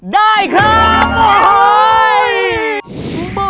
ได้ครับโอ้โฮ